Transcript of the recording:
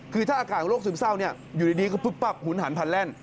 คือถ้าอาการโรคซึมเศร้าอยู่ดีก็หุนหันพันแหล่น